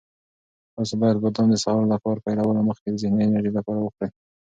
تاسو باید بادام د سهار له کار پیلولو مخکې د ذهني انرژۍ لپاره وخورئ.